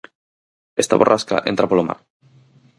Esta borrasca entra polo mar.